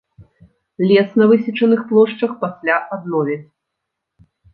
Лес на высечаных плошчах пасля адновяць.